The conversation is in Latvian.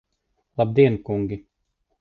Labdien, kungi!